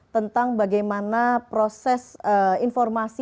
tentang bagaimana proses informasi